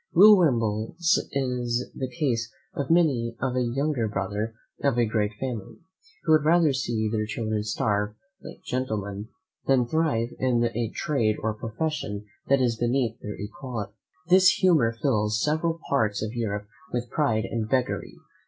Will Wimble's is the case of many a younger brother of a great family, who had rather see their children starve like gentlemen, than thrive in a trade or profession that is beneath their quality. This humour fills several parts of Europe with pride and beggary.